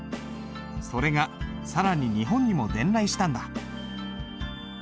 それが更に日本にも伝来したんだ。